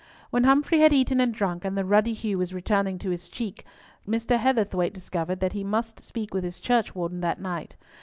When Humfrey had eaten and drunk, and the ruddy hue was returning to his cheek, Mr. Heatherthwayte discovered that he must speak with his churchwarden that night.